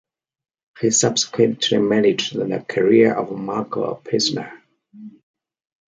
He subsequently managed the career of Marco Apicella.